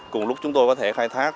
cùng lúc chúng tôi có thể khai thác